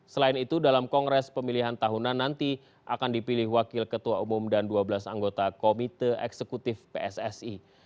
selain itu dalam kongres pemilihan tahunan nanti akan dipilih wakil ketua umum dan dua belas anggota komite eksekutif pssi